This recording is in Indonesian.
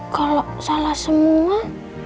kalo salah semua